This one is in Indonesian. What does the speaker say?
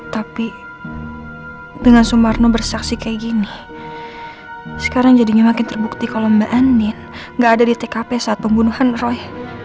tapi dengan sumarno bersaksi kayak gini sekarang jadinya makin terbukti kalau mbak eni nggak ada di tkp saat pembunuhan roy